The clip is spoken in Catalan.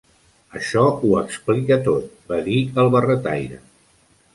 Això ho explica tot", va dir el barretaire.